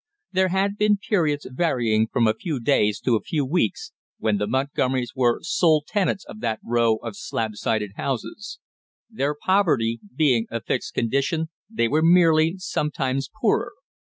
There had been periods varying from a few days to a few weeks when the Montgomerys were sole tenants of that row of slab sided houses; their poverty being a fixed condition, they were merely sometimes poorer.